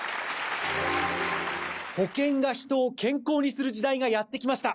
保険が人を健康にする時代がやってきました！